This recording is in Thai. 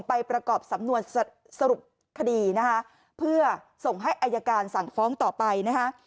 ประกอบสำนวนสรุปคดีนะคะเพื่อส่งให้อายการสั่งฟ้องต่อไปนะคะ